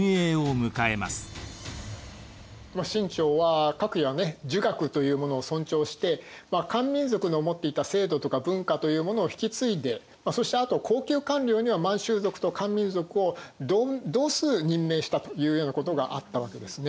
清朝は科挙やね儒学というものを尊重して漢民族の持っていた制度とか文化というものを引き継いでそしてあと高級官僚には満州族と漢民族を同数任命したというようなことがあったわけですね。